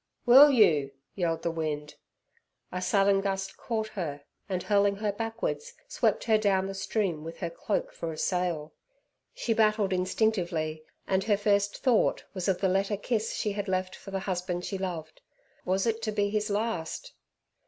"Will you?" yelled the wind. A sudden gust caught her, and, hurling her backwards, swept her down the stream with her cloak for a sail. She battled instinctively, and her first thought was of the letter kiss she had left for the husband she loved. Was it to be his last?